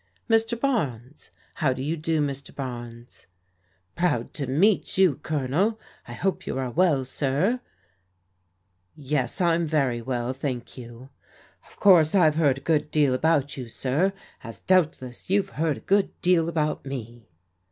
" Mr. Barnes ? How do you do, Mr. Barnes ?"" Proud to meet you. Colonel. I hope you are well, sirr Yes, I'm very well, thank you." " Of course' I've heard a good deal about you, sir, as doubtless you've heard a good deal about me."